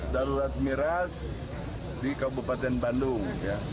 darurat miras di kabupaten bandung